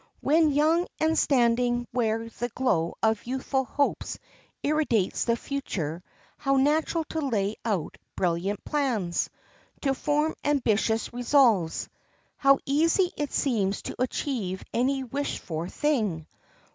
When young and standing where the glow of youthful hopes irradiates the future how natural to lay out brilliant plans! to form ambitious resolves! How easy it seems to achieve any wished for thing!